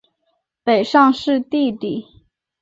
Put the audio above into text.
北尚是弟弟。